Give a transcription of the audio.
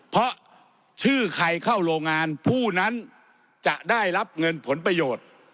เพราะชื่อใครเข้าโรงงานผู้นั้นจะได้รับเงินผลประโยชน์